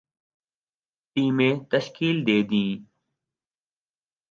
ٹیمیں تشکیل دے دیں